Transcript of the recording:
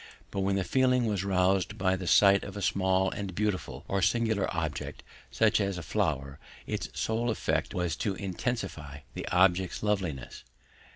But when the feeling was roused by the sight of a small and beautiful or singular object, such as a flower, its sole effect was to intensify the object's loveliness.